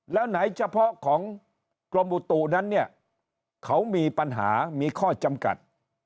แล้วไหนเฉพาะของกรมอุตุนั้นเนี่ยเขามีปัญหามีข้อจำกัด